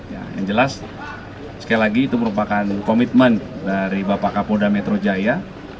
ya yang jelas sekali lagi itu merupakan komitmen dari bapak kapolda metro jaya